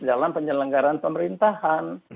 dalam penyelenggaran pemerintahan